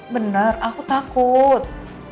bener aku takut